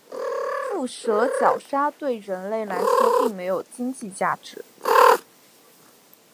腹蛇角鲨对人类来说并没有经济价值。